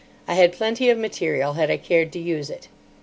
I had plenty of material, had I cared to use it.